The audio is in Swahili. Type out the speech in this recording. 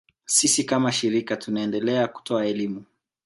Sisi kama shirika tunaendelea kutoa elimu